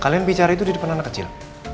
kalian bicara itu di depan anak kecil